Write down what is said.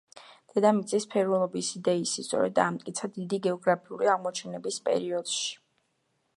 დედამიწის სფერულობის იდეის სისწორე დამტკიცდა დიდი გეოგრაფიული აღმოჩენების პერიოდში.